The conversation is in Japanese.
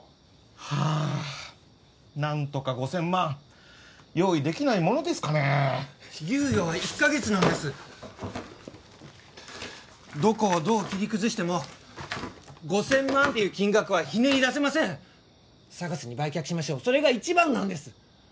はあ何とか５０００万用意できないものですかねえ猶予は１カ月なんですどこをどう切り崩しても５０００万っていう金額はひねり出せませんＳＡＧＡＳに売却しましょうそれが一番なんです